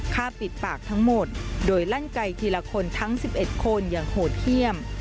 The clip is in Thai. ฆ่าปิดปากทั้งหมดโดยลั่นไก่ทีละคนทั้ง๑๑คนอย่างโหดเยี่ยม